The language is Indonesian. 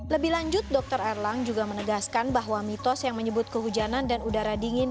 lebih lanjut dr erlang juga menegaskan bahwa mitos yang menyebut kehujanan dan udara dingin